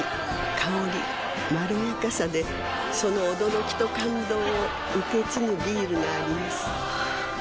香りまろやかさでその驚きと感動を受け継ぐビールがあります